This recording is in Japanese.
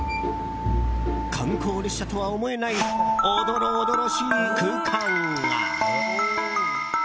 観光列車とは思えないおどろおどろしい空間が。